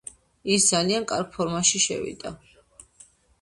ის ძალიან კარგ ფორმაში შევიდა.